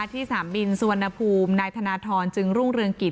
สนามบินสุวรรณภูมินายธนทรจึงรุ่งเรืองกิจ